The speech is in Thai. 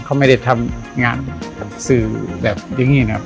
เขาไม่ได้ทำงานสื่อแบบอย่างนี้นะครับ